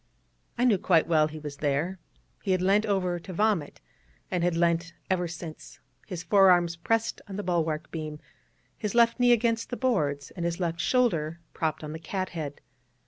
I knew quite well why he was there: he had leant over to vomit, and had leant ever since, his forearms pressed on the bulwark beam, his left knee against the boards, and his left shoulder propped on the cathead.